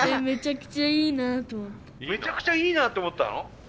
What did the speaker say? めちゃくちゃいいなと思ったの？